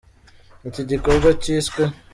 Iki gikorwa cyiswe